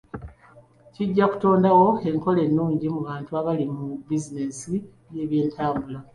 Kijja kutondawo enkola ennungi mu bantu abali mu bizinesi y'ebyentambula.